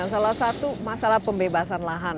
salah satu masalah pembebasan lahan